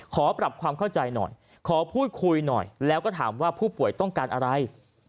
ขอปรับความเข้าใจหน่อยขอพูดคุยหน่อยแล้วก็ถามว่าผู้ป่วยต้องการอะไร